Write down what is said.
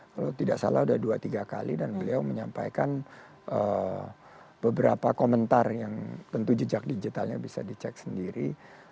kalau tidak salah sudah dua tiga kali dan beliau menyampaikan beberapa komentar yang tentu jejak digitalnya bisa dicek sendiri